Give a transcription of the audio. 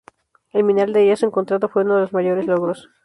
El mineral de yeso encontrado fue uno de los mayores logros.